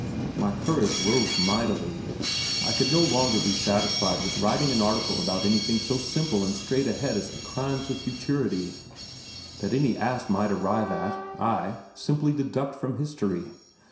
My courage rose mightily. I could no longer be satisfied with writing an article about anything so simple and straight ahead as the "Crimes of Futurity," that any ass might arrive at, ay, simply deduct from history.